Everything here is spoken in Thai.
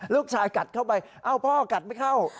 กัดเข้าไปเอ้าพ่อกัดไม่เข้า